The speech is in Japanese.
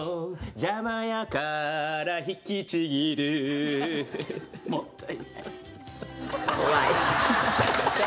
「邪魔やから引きちぎる」もったいない。